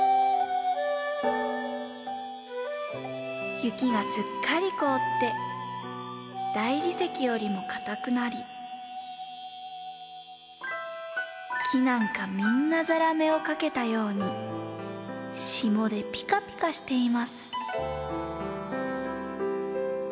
雪がすっかりこおってだいりせきよりもかたくなりきなんかみんなザラメをかけたようにしもでぴかぴかしています。